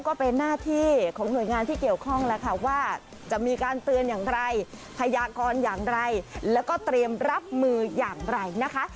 ก็เป็นหน้าที่ของหน่วยงานที่เกี่ยวข้องแล้วค่ะว่าจะมีการเตือนอย่างไรพยากรอย่างไรแล้วก็เตรียมรับมืออย่างไรนะคะ